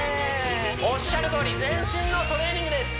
おっしゃるとおり全身のトレーニングです